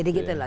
jadi gitu loh